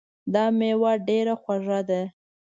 دا میوه ډېره خوږه ده